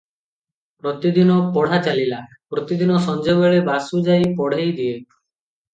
ପ୍ରତିଦିନ ପଢ଼ା ଚାଲିଲା, ପ୍ରତିଦିନ ସଞ୍ଜବେଳେ ବାସୁ ଯାଇ ପଢ଼େଇଦିଏ ।